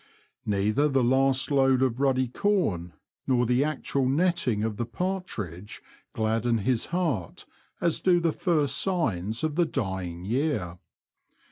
Neither the last load of ruddy corn, nor the actual netting of the partridge gladden his heart as do the first signs of the dying year.